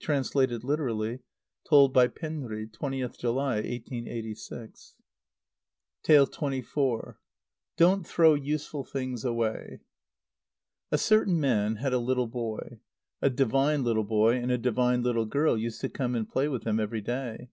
(Translated literally. Told by Penri, 20th July 1886.) xxiv. Don't throw Useful Things away. A certain man had a little boy. A divine little boy and a divine little girl used to come and play with him every day.